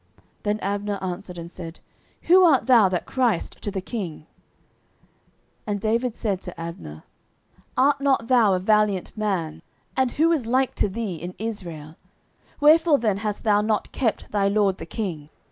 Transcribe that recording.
Then Abner answered and said, Who art thou that criest to the king? 09:026:015 And David said to Abner, Art not thou a valiant man? and who is like to thee in Israel? wherefore then hast thou not kept thy lord the king?